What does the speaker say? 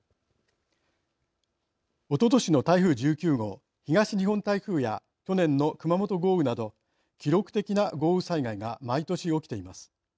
おととしの台風１９号東日本台風や去年の熊本豪雨など記録的な豪雨災害が毎年、起きています。